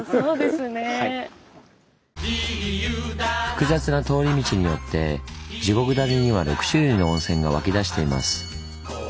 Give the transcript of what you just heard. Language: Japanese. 「複雑な通り道」によって地獄谷には６種類の温泉が湧き出しています。